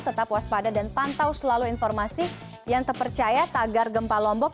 tetap waspada dan pantau selalu informasi yang terpercaya tagar gempa lombok